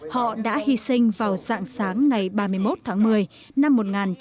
họ đã hy sinh vào dạng sáng ngày ba mươi một tháng một mươi năm một nghìn chín trăm bảy mươi